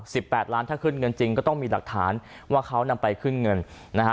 แปดล้านถ้าขึ้นเงินจริงก็ต้องมีหลักฐานว่าเขานำไปขึ้นเงินนะฮะ